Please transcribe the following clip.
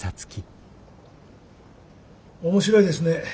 面白いですね。